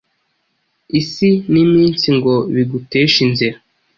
Isi n' iminsi ngo biguteshe inzira